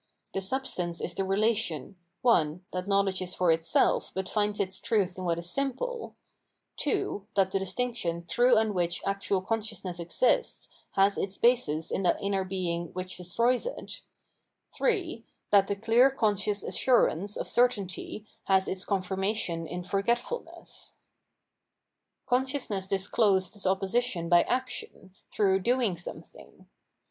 The substance is the relation that knowledge is for itself, but finds its truth in what is simple; that the distinction, through and in which actual consciousness exists, has its basis in that inner being which destroys it; that the clear conscious assurance of certainty has its confirmation in forgetfulness. Consciousness disclosed this opposition by action, through doing something.